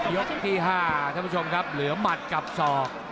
ยกที่๕ท่านผู้ชมครับเหลือหมัดกับศอก